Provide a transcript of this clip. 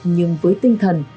nhưng với tinh thần